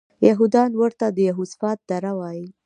یهودان ورته د یهوسفات دره وایي.